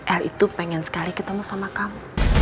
el itu pengen sekali ketemu sama kamu